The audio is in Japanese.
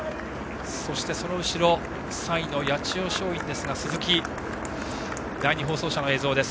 そしてその後ろ３位の八千代松陰の鈴木、第２放送車の映像です。